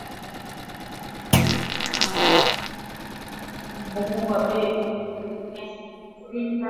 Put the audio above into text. Mfumuko wa bei uko asilimia kwa asilimia sita